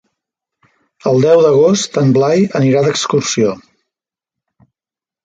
El deu d'agost en Blai anirà d'excursió.